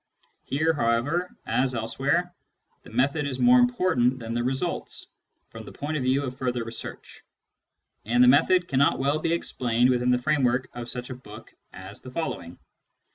Here, however, as elsewhere, the method is more important than the results, from the point of view of further research ; and the method cannot well be explained within the framework of such a book as the following.